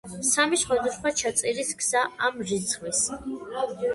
სამი სხვადასხვა ჩაწერის გზა ამ რიცხვის.